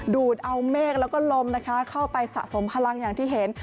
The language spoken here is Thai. ดูดเอาเมฆแล้วก็ลมนะคะเข้าไปสะสมพลังอย่างที่เห็น